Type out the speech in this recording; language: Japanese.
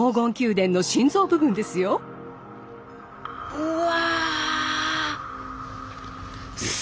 うわ！